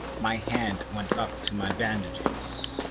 My hand went up to my bandages.